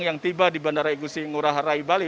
yang tiba di bandara igusti ngurah rai bali